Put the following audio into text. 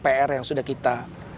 pr yang sudah kita